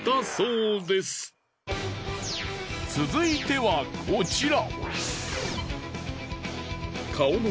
続いてはこちら。